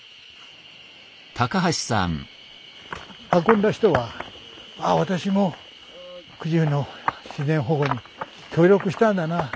運んだ人は「あ私もくじゅうの自然保護に協力したんだなあ。